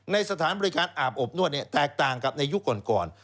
สถานบริการอาบอบนวดเนี่ยแตกต่างกับในยุคก่อน